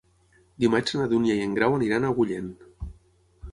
Dimarts na Dúnia i en Grau aniran a Agullent.